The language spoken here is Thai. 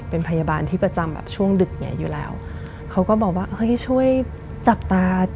เป็นพยาบาลที่ประจำแบบช่วงดึกเนี้ยอยู่แล้วเขาก็บอกว่าเฮ้ยช่วยจับตา